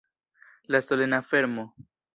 La solena fermo.